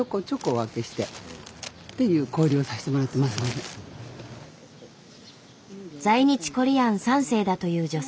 でも私在日コリアン３世だという女性。